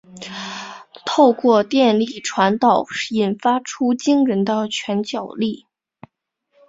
透过电力传导引发出惊人的拳脚力。